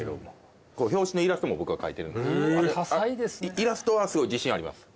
イラストはすごい自信あります。